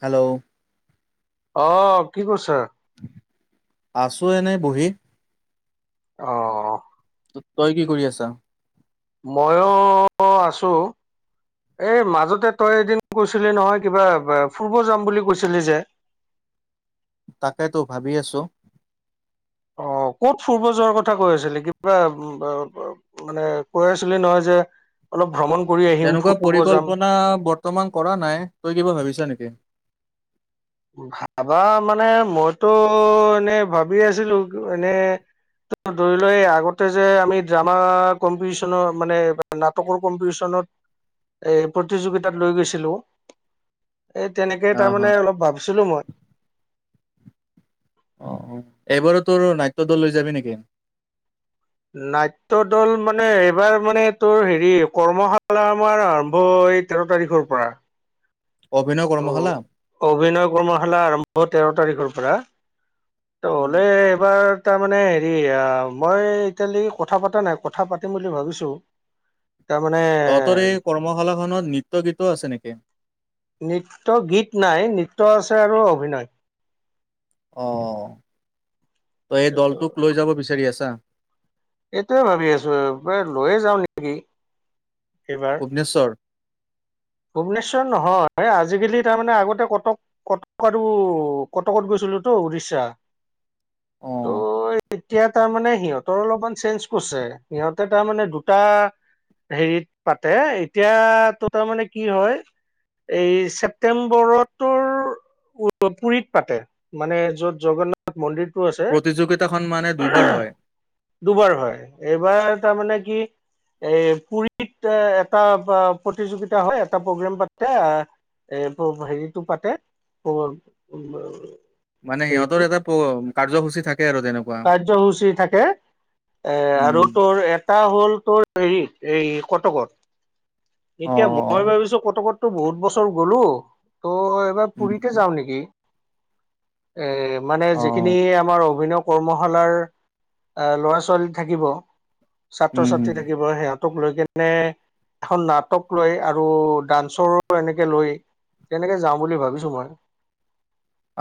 Hello অ কি কৰিছা? আছোঁ এনে বহি। অ ত তই কি কৰি আছ? মইয়ো আছো, এই মাজতে তই এদিন কৈছিলি নহয় কিবা ফুৰিব যাম বুলি কৈছিলি যে। তাকেতো ভাবি আছোঁ। অ ক'ত ফুৰিব যোৱাৰ কথা কৈ আছিলি কিবা, মানে কৈ আছিলি নহয় যে, অলপ ভ্ৰমণ কৰি আহিম তেনেকুৱা ফুৰিব যাম। পৰিকল্পনা বৰ্তমান কৰা নাই তই কিবা ভাবিছা নেকি? ভাবা মানে মইতো এনে ভাবি আছিলো এনে ধৰি লোৱা এই আগতে যে আমি ড্ৰামা কম্পিটিশনৰ মানে। নাটকৰ কম্পিটিচনত এ প্ৰতিযোগিতাত লৈ গৈছিলোঁ? এই তেনেকে অ তাৰমানে অলপ ভাবিছিলোঁ মই। অ এইবাৰো তোৰ নাট্য দল লৈ যাবি নেকি? নাট্য দল মানে এইবাৰ মানে তোৰ হেৰি কৰ্মশালা আমাৰ আৰম্ভ হয়। তেৰ তাৰিখৰ পৰা। অভিনয় ত' কৰ্মশালা। অভিনয় কৰ্মশালা আৰম্ভ তেৰ তাৰিখৰ পৰা ত উম। হলে এইবাৰ তাৰ মানে হেৰি মই ইতিয়ালি কথা পতা নাই কথা পাতিম বুলি ভাবিছো। [inaudible] তহঁতৰে কৰ্মশালাখনত নৃত্য গীতৌ আছে নেকি? নৃত্য গীত নাই নৃত্য আছে আৰু অভিনয়। অ ত এই দলটোক লৈ যাব বিচাৰি আছা। এইটোয়ে ভাবি আছো এইবাৰ লৈয়ে যাও নেকি এইবা। নিশ্বৰ ভূৱনেশ্বৰ নহয় আজিকালি তাৰমানে আগতে কটক কটক আৰু কটকত গৈছিলো তো উৰিষ্যা অ তই এতিয়া তাৰমানে সিহঁতৰ অলপমান চেঞ্জ কৰিছে সিহঁতে তাৰমানে দুটা হেৰিত পাতে এতিয়াটো তাৰমানে কি হয় এই ছেপ্তেম্বৰত তোৰ উ পুৰিত পাতে মানে যত জগন্নাথ নাথ মন্দিৰটো আছে। প্ৰতিযোগিতাখন মানে দুইবাৰ হয় দুবাৰ হয়। এইবাৰ তাৰমানে কি এ পুৰীত এটা প্ৰতিযোগিতা হয়। এটা প্ৰগ্ৰেম পাতে এ হেৰিটো পাতে উ মানে সিহঁতৰ এটা কাৰ্যসূচী থাকে আৰু তেনেক- কাৰ্যসূচী থাকে এ আৰু উম তোৰ এক এটা হ'ল তোৰ হেৰিত এই কটকত। অ এতিয়া মই ভাবিছো কটকততো বহুত বছৰ গ'লো ত' এবাৰ পুুৰীতে উম যাও নেকি। এ মানে অ যিখিনি আমাৰ অভিনক কৰ্মশালাৰ ল'ৰা ছোৱালী থাকিব ছাত্ৰ উম ছাত্ৰী থাক- এইবাৰ সিহঁতক লৈ কিনে এখন নাট টক লৈ আৰু ডান্সৰো এনেকে লৈ, তেনেকে যাওঁ বুলি ভাবিছো মই।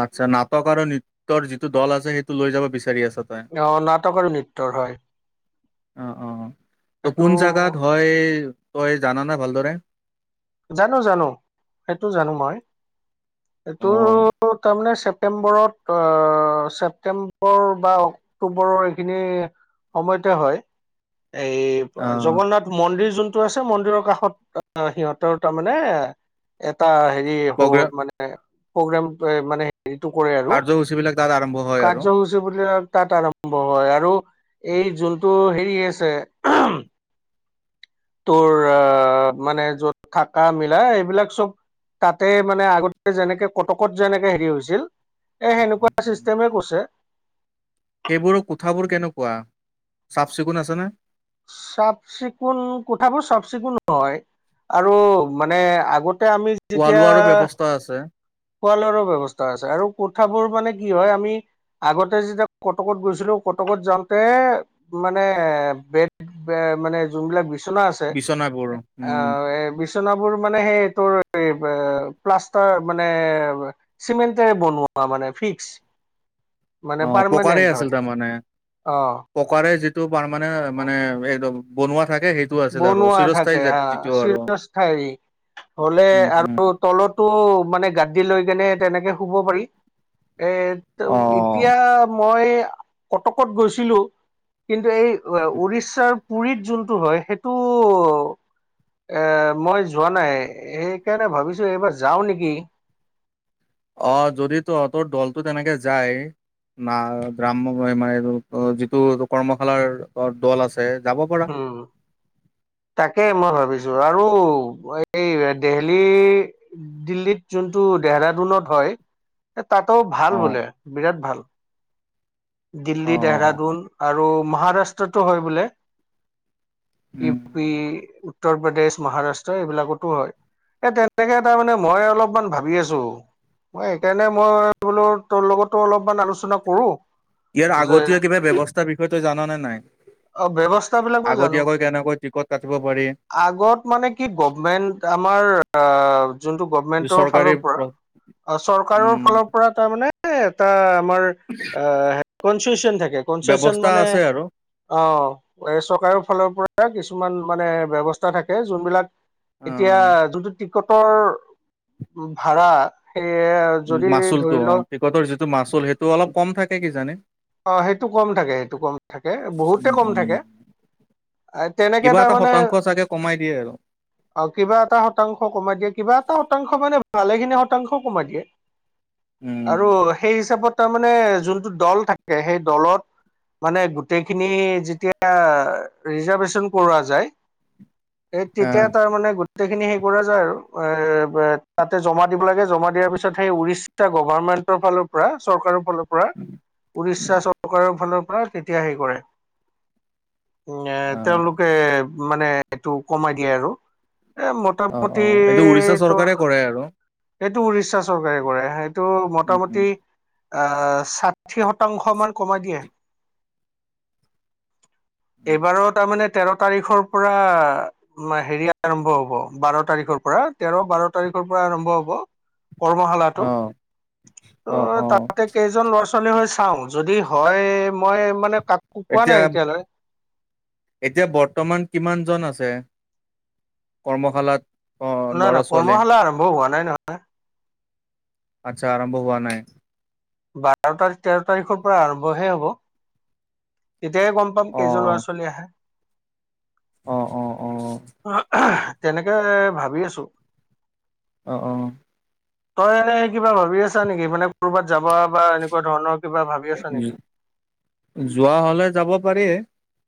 আচ্ছা নাটক আৰু নৃত্যৰ যিটো দল আছে সেইটো লৈ যাব বিচাৰি আছা। অ নাটক আৰু নৃত্যৰ হয়। অ অ ত সেইটো কোন জাগাত হয় তই জানানে ভালদৰে। জানো জানো সেইটো জানো মই এইটো অ তাৰমানে ছেপ- প্টেম্বৰত অহ ছেপটেম্বৰ বা অক্টোবৰৰ এইখিনি সময়তে হয় এইব- আহ জগন্নাথ মন্দিৰ যোনটো আছে মন্দিৰৰ কাষত আহ সিহঁতৰ তাৰ মানে এটা হেৰি হ প্ৰগ্ৰেম মানে প্ৰগ্ৰাম মানে হেৰিটো কৰে আৰু, কাৰ্যসূচীবিলাক তাত আৰম্ভ হয় আৰু কাৰ্যসূচী বুলি তাত আৰম্ভ হয় আৰু এই যোনটো হেৰি আছে তোৰ আহ মানে যত থকা মিলা এইবিলাক চব তাতে মানে আগতে যেনেকে কটকত যেনেকে হেৰি হৈছিল এ উম, উম, সেনেকুৱা উম। চিষ্টেমে কৰছে। সেইবোৰৰ কোঠাবোৰ কেনেকুৱা চাফ চিকুণ আছেনে? চাফ চিকুণ কোঠাবোৰ চাফ চিকুণ হয় আৰু মানে আগত তে আমি খোৱা যেতিয়া লোৱাৰো ব্যৱস্থা আছে খোৱা লোৱাৰো ব্যৱস্থা আছে আৰু কোঠাবোৰ মানে কি হয় আমি আগতে যেতিয়া কটকত গৈছিলো কটকত যাওঁতে মানে বেত বে মানে যোনবিলাক বিচনা আছে বিচনাবোৰ উম আহ এ বিছ- চনাবোৰ মানে সেই তোৰ প্লাষ্টাৰ মানে চিমেনটেৰে বনোৱা মানে ফিক্স। মানে অ পকাৰেই পাৰমানেন্ট আছিল হয় তাৰমানে। অ পকাৰে যিটো পাৰমানে মানে এইদম বনোৱা থাকে সেই বনোৱা থাকে হা চিৰস্থায়ী হলে উম উম আৰু তলতো মানে গাদি লৈ কেনে তেনেকে শুব পাৰি এ তো ই অ এতিয়া মই কটকত গৈছিলো কিন্তু এই অ উৰিষ্যাৰ পুুৰীত যোনটো হয় সেইটো এ মই যোৱা নাই সেইকাৰণে ভাবিছো এইবাৰ যাওঁ নিকি? অ যদি তহঁতৰ দলটো তেনেকে যায় না গ্ৰাম্য মহিমাৰ এইটো যিটো কৰ্মশালাৰ দল আছে যাব পাৰা। উম। তাকে মই ভাবিছোঁ আৰু এই দেহলি দিল্লীত যোনটো দেহৰাডুনত হয় তাতো অ ভাল বোলে বিৰাট ভাল। অ দিল্লী, দেহৰাডুন আৰু মহাৰাষ্ট্ৰটো হয় বোলে, ই উম ৱি উত্তৰ প্ৰদেশ, মহাৰাষ্ট্ৰ এইবিলাকতো হয়। এই তেনেকে তাৰ মানে মই অলপমান ভাবি আছো? মই সেইকাৰণে মই বোলো তোৰ লগতো অলপমান আলোচনা কৰোঁ ইয়াৰ আগতীয়া কিবা ব্যৱস্থাৰ বিষয়ে তই জাননে নাই? অ ব্যৱস্থা বিলাক মই জানো আগতীয়াকৈ কেনেকৈ টিকট কাটিব পাৰি? আগত মানে কি গভমেন্ট আমাৰ অ যোনটো গভমেণ্টৰ চৰকাৰী ফালৰ পৰা আৰু চৰকাৰৰ উম ফালৰ পৰা তাৰমানে এটা আমাৰ অ আ [unintelligible] হেড কনচেচন থাকে, কনচেচন মানে আছে আৰু অ, এই চৰকাৰৰ ফালৰ পৰা কিছুমান মানে ব্যৱস্থা থাকে যোনবিলাক অ এতিয়া যোনটো টিকটৰ ভাড়া সেয়ে যদি ধৰি লও তহঁতৰ যিটো মাচুল সেইটো অলপ কম থাকে কি জানে? অ সেইটো কম থাকে সেইটো কম থাকে বহুতে উম কম উম থাকে। আ তেনেকে কিবা এটা তাৰমানে শতাংশ চাগে কমাই দিয়ে আৰু আৰু কিবা এটা শতাংশ কমাই দিয়ে, কিবা এটা শতাংশ মানে ভালেখিনি শতাংশ কমাই দিয়ে। উম আৰু সেই হিচাপত তাৰমানে যোনটো দল থাকে সেই দলত মানে গোটেইখিনি যেতিয়া ৰিজাৰভেচন কৰোৱা যায় এই অ তেতিয়া তাৰ মানে গো টেইখিনি হেই কৰা যায় আৰু, এ বে তাতে জমা দিব লাগে জমা দিয়াৰ পিছত সেই উৰিষ তা গভাৰমেণ্টৰ ফালৰ পৰা চৰকাৰৰ ফালৰ পৰা উৰিষ্যা চৰকাৰৰ ফালৰ পৰা তেতিয়া হে কৰে, নে তেওঁলো অ তে মানে এইটো কমাই দিয়ে আৰু। এ অ অ মোটামুটি এইটো উৰিষ্যা তোৰ চৰকাৰে কৰে আৰু সেইটো উৰিষ্যা চৰকাৰে কৰে সেইটো উম উম মোটামুটি আ সাত ঠি শতাংশ মান কমাই দিয়ে। এইবাৰো তাৰমানে তেৰ তাৰিখৰ পৰা মা হেৰি আৰম্ভ হব বাৰ তাৰিখৰ পৰা তেৰ বাৰ তাৰিখৰ পৰা আৰম্ভ হব কৰ্মশালাটো। অ', অ', ত' অ', তাতে কেজ জন ল'ৰা-ছোৱালী হয় চাও যদি হয়, মই মানে কাকো কোৱা এতিয়া নাই এতিয়ালৈ। এতিয়া বৰ্তমান কিমানজন আছে কৰ্মশালাত? অ', নাই ল'ৰা নাই, ছোৱালী কৰ্মশালা আৰম্ভ হোৱা নাই নহয়। আচ্ছা, আৰম্ভ হোৱা নাই। বাৰ তাৰিখ, তেৰ তাৰিখৰ পৰা আৰম্ভহে হ'ব। তেতিয়াহে গম পাম কেইজন অ', লৰা- ছোৱালী আহে? অ', অ', অ অহ, তেনেকে ভাবি আছোঁ? অঁ অঁ। তই এনে কিবা ভাবি আছা নিকি, মানে কৰবাত যাবা বা এনেকুৱা ধৰণৰ কিবা ভাবি আছা নি? যোৱা হ'লে যাব পাৰি।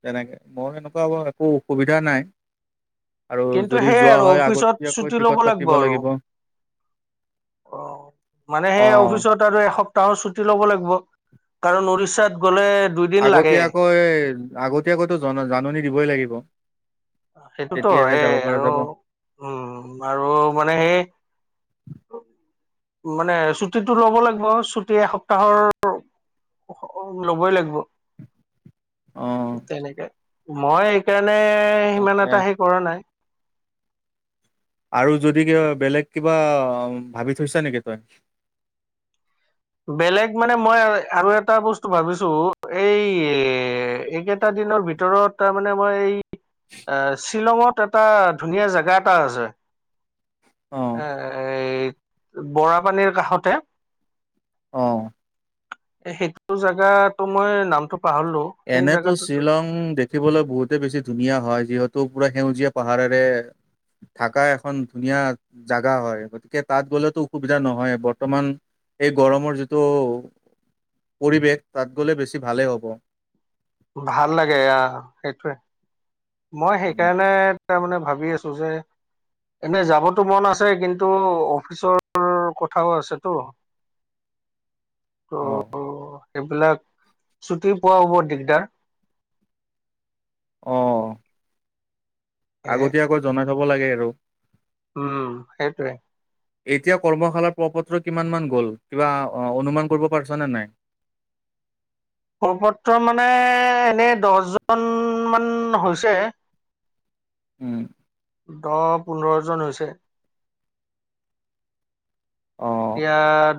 তেনেকে, মই এনেকুৱা একো অসুবিধা নাই। আৰু কিন্তু যদি সেইয়াই যোৱা আৰু হয় অফিচত আগতীয়াকৈ ছুটি ল'ব টিকট কাটিব আৰু লাগিব। অ', মানে সেই অ', অফিচত আৰু এসপ্তাহৰ ছুটী ল'ব লাগিব, কাৰণ উৰিষ্যাত গ'লে দুইদিন লাগে আগতীয়াকৈ, আগতীয়াকৈতো জন-জাননী দিবই লাগিব। সেইটোতো তেতিয়াহে হৈয়ে যাব পৰা আৰু যাব উম, আৰু মানে সেই মানে ছুটিটো ল'ব লাগিব, ছুটি এসপ্তাহৰ ল'বই লাগিব। অ', তেনেকে, মই এইকাৰণে সিমান তাকে এটা সেই কৰা নাই। আৰু যদি কিবা, বেলেগ কিবা ভাবি থৈছা নেকি তই? বেলেগ মানে মই আৰু এটা বস্তু ভাবিছো, এই এইকেইটা দিনৰ ভি ভিতৰত তাৰ মানে মই এই, আ শ্বিলংত এটা ধুনীয়া জাগা এটা আছে। অ', এই বৰাপানীৰ কাষতে। অ'। সেইটো জাগাটো মই নামটো পাহৰিলো। সেই এনেইতো জেগাটোতো শ্বিলং দে দেখিবলৈ বহুতে বেছি ধুনীয়া হয়, যিহেতো পুৰা সেউজীয়া পাহাৰেৰে থাকা এখন ধুনীয়া জাগা হয়, গতিকে তাত গ'লেতো অসুবিধা নহয়েই। বৰ্তমান এই গৰমৰ যিটো পৰিৱেশ, তাত গ'লে বেছি ভালে হ'ব। ভাল লাগে আ, সেইটোয়ে। মই সেইকাৰণে তাৰ মানে ভাবি আছো যে এনে যাবটো মন আছে কিন্তু, অফিচৰ কথাও আছেতো। [inaudible] ত', অ', সেইবিলাক ছুটি পোৱা হ'ব দিগদাৰ। অ'। এ আগতিয়াকৈ জনাই থ'ব লাগে আৰু। উম, সেইটোৱে। এতিয়া কৰ্মশালাৰ প্ৰপত্ৰ কিমান মান গ'ল, কিবা অনুমান কৰিব পাৰছা নে নাই? প্ৰপত্ৰ মানে, এনে দছজন মান হৈছে। উম। দহ, পোন্ধৰ জন হৈছে। এতিয়া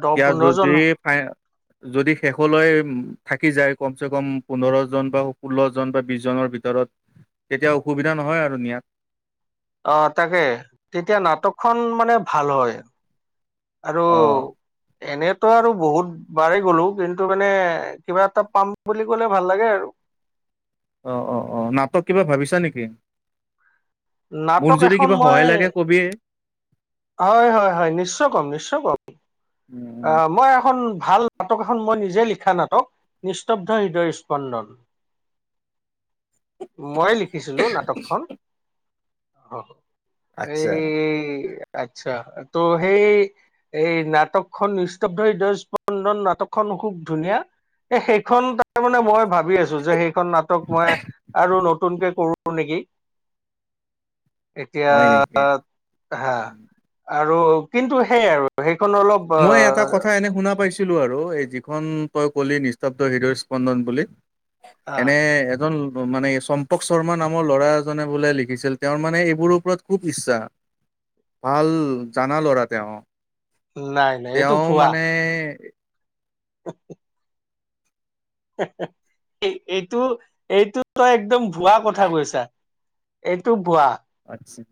দহ, পোন্ধৰ জন নাই, যদি শেষলৈ থাকি যায় কমচে-কম পোন্ধৰ জন বা ষোল্ল জন বা বিশ জনৰ ভিতৰত। তেতিয়া অসুবিধা নহয় আৰু নিয়াত। অ', তাকে তেতিয়া নাটকখন মানে ভাল হয়। আৰু অ এনেইতো আৰু বহুত বাৰহি গ'লো, কিন্তু মানে কিবা এটা পাম বুলি ক'লে ভাল লাগে আৰু। অ', অ', অ', নাটক কিবা ভাবিছা নিকি? মোৰ নাটক যদি এখন কিবা মই সহায় লাগে কবিয়ে। হয়, হয়, হয়, নিশ্চয় কম নিশ্চয় কম। উম অ', মই এখন ভাল নাটক এখন মই নিজে লিখা নাটক, নিস্তব্ধ হৃদয়ৰ স্পন্দন। মই লিখিছিলো নাটকখন, হ। এই, আচ্ছা আচ্ছা! ত' সেই এই, নাটকখনন সস্তব্ধ হৃদয়, নিস্তদ্ধ নাটকখন খুব ধুনীয়া! এ, সেইখন তাৰ মানে মই ভাবি আছো যে সেইখন নাটক মই আৰু নতুনকে কৰো নিকি। এতিয়া, হয় নেকি? হা! আৰু কিন্তু, সেইয়াই আৰু। সেইখন অলপ আঁ এনেই শুনা পাইছোঁ। নিছিলোঁ আৰু। এই, যিখন তই ক'লি, নিস্তব্ধ হৃদয় স্পন্দন বুলি। আহ, এনেই এজন, মানে টম্পক শৰ্মা নামৰ ল'ৰা এজনে বোলে লিখিছিল। তেওঁৰ মানে, এইবোৰৰ ওপৰত খুব ইচ্ছা। ভাল, জানা ল'ৰা তেওঁ। নাই। নাই এইটো তেওঁ ভুৱা মানে, [unintelligible] হা! বা! এইটো, এইটো তই, একদম ভুৱা কথা কৈছা? এইটো ভুৱা। আচ্ছা!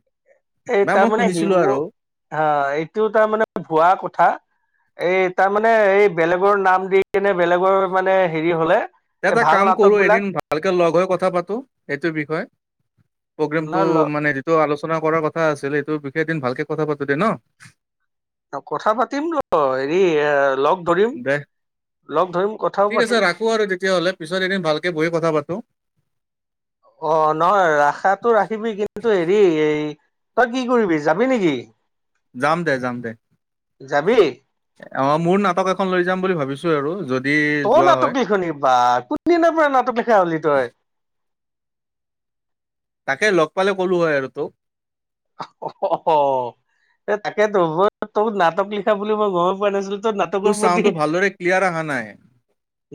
এই নাই মই তাৰমানে, শুনিছিলো আৰু [unintelligible] এইটো তাৰ মানে ভুৱা কথা? এই, তাৰমানে এই, বেলেগৰ নাম দি কেনে, বেলেগৰ মানে, হেৰি হ'লে! এটা ভাল কাম নাটক কৰোঁ, বিলাক এদিন ভালকে লগ হৈ কথা পাতোঁ, এইটোৰ বিষয়ে। প্ৰগ্ৰেমটো নহয় মানে, যিটো আলোচনা কৰাৰ কথা আছিল, সেইটো বিশেষ দিন, ভালকে কথা পাতোঁ দেই ন'! কথা পাতিম ন'! হেৰি এ, লগ ধৰিম দে? লগ ধৰিম কথাও ঠিক পাতিম আছে ৰাখোঁ আৰু তেতিয়াহ'লে। পিছত, এদিন ভালকে বহি কথা পাতোঁ। অ'! নহয়, ৰাখাতো, ৰাখিবি। কিন্তু, হেৰি এই তই কি কৰিবি, যাবি নেকি? যাম দে, যাম দে। যাবি? অ'! মোৰ নাটক এখন লৈ যাম বুলি ভাবিছোঁ আৰু য তইয়ো নাটকি হলি বা! কোন দিনাৰ পৰা নাটক লিখা হলি তই? তাকে, লগ পালে ক'লো হয় আৰু তোক! [unintelligible] তাকেতো! তোক, নাটক লিখা বুলি মই গম পোৱা নাছিলোঁ। তোৰ, নাট তোৰ চাউন্ডটো, ভালদৰে ক্লিয়াৰ অহা নাই?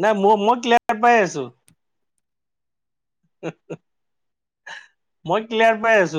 নাই মোৰ, মই, ক্লিয়াৰ পাই আছোঁ। [unintelligible] মই ক্লিয়াৰ পাই আছোঁ।